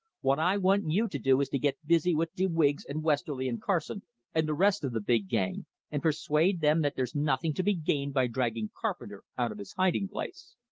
What I want you to do is to get busy with de Wiggs and Westerly and Carson, and the rest of the big gang, and persuade them that there's nothing to be gained by dragging Carpenter out of his hiding place."